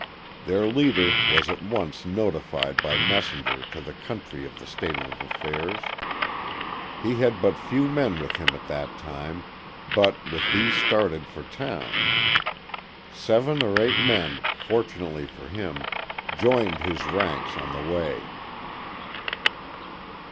Their leader was at once notified by messenger to the country of the state of affairs. He had but few men with him at that time, but with these started for town. Seven or eight men, fortunately for him, joined his ranks on the way.